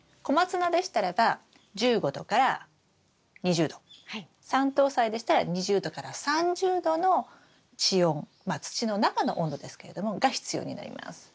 コマツナでしたらば１５℃から２０℃サントウサイでしたら２０℃から３０℃の地温まあ土の中の温度ですけれどもが必要になります。